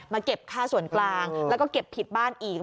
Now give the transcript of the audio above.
เก็บค่าส่วนกลางแล้วก็เก็บผิดบ้านอีก